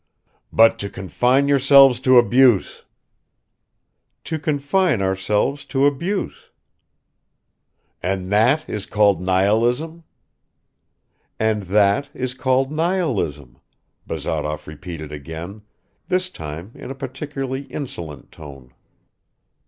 "But to confine yourselves to abuse." "To confine ourselves to abuse." "And that is called nihilism?" "And that is called nihilism," Bazarov repeated again, this time in a particularly insolent tone.